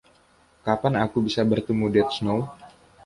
Kapan aku bisa bertemu Dead Snow